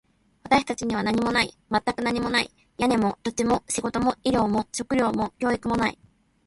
私たちには何もない。全く何もない。屋根も、土地も、仕事も、医療も、食料も、教育もない。